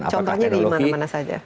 contohnya di mana mana saja